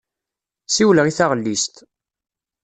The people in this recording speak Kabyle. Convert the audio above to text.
Siwleɣ i taɣellist.